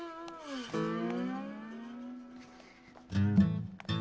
うん。